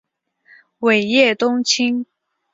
尾叶冬青